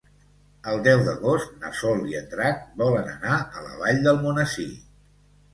El deu d'agost na Sol i en Drac volen anar a la Vall d'Almonesir.